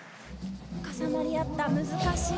重なり合った難しい。